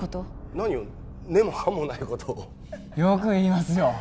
何を根も葉もないことをよく言いますよ